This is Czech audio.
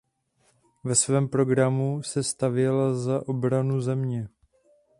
Ve svém programu se stavěla za obranu země.